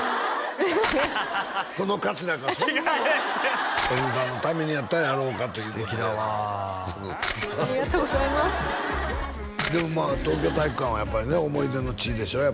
ハハハハこのカツラが佳純さんのためにやったらやろうかということで素敵だわありがとうございますでも東京体育館はやっぱりね思い出の地でしょ？